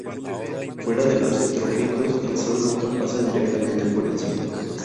Fuera de los trópicos, el Sol nunca pasa directamente por encima.